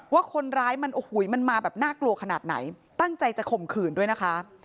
ว่าคนร้ายมันโอ้โหมันมาแบบน่ากลัวขนาดไหนตั้งใจจะข่มขืนด้วยนะคะ